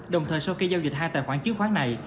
đồng thời sau khi giao dịch hai tài khoản chứng khoán này